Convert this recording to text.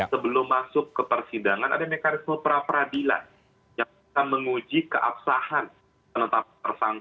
sebelum masuk ke persidangan ada mekanisme perapradilan yang bisa menguji keabsahan penetapan persangka